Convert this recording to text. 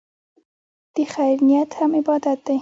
د خیر نیت هم عبادت دی.